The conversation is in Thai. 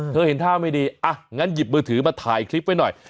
เห็นท่าไม่ดีอ่ะงั้นหยิบมือถือมาถ่ายคลิปไว้หน่อย